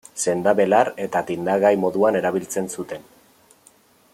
Sendabelar eta tindagai moduan erabiltzen zuten.